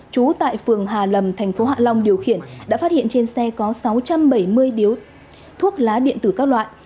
trú tại phường hà lầm tp hạ long điều khiển đã phát hiện trên xe có sáu trăm bảy mươi điếu thuốc lá điện tử các loại